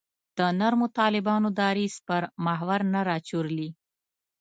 د نرمو طالبانو دریځ پر محور نه راچورلي.